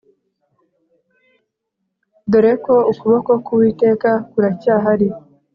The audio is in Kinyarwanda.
Doreko ukuboko kuwiteka kuracyahari